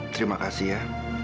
terima kasih ya